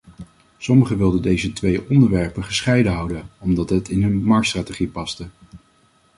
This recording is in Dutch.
Sommigen wilden deze twee onderwerpen gescheiden houden, omdat dit in hun marktstrategie paste.